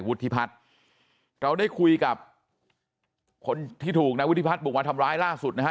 วุฒิพัฒน์เราได้คุยกับคนที่ถูกนายวุฒิพัฒน์บุกมาทำร้ายล่าสุดนะฮะ